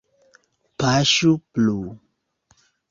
Paŝu plu!